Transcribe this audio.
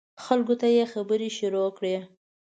خلکو ته یې خبرې شروع کړې.